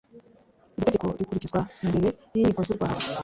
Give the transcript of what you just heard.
Iri tegeko rikurikizwa imbere y inkiko z u rwanda